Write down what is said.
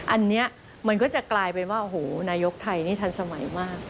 อันนี้มันก็จะกลายเป็นว่าโอ้โหนายกไทยนี่ทันสมัยมาก